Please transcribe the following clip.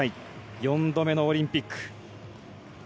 ４度目のオリンピック。